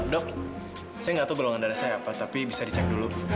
dok saya nggak tahu golongan darah saya apa tapi bisa dicek dulu